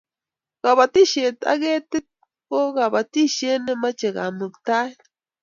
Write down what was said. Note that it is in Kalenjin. kabatishiet ab ketik ko kabatishiet ne mache kamuktaet